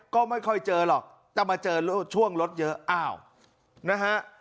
ก็ไม่ค่อยเจอหรอกแต่มาเจอช่วงรถเยอะอ้าวนะฮะ